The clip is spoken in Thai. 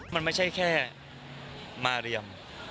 มันไม่ใช่แค่มาเรียม